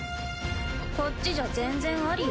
こっちじゃ全然ありよ。